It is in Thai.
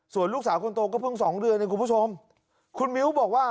ส่วนลูกสาวคนโตก็เพิ่งสองเดือนเองคุณผู้ชมคุณมิ้วบอกว่า